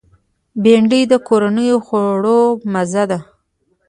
بېنډۍ د کورنیو خوړو مزه ده